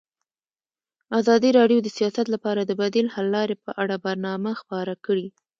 ازادي راډیو د سیاست لپاره د بدیل حل لارې په اړه برنامه خپاره کړې.